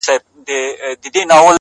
o د طبيعت دې نندارې ته ډېر حيران هم يم،